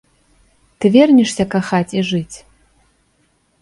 Ты вернешся кахаць і жыць?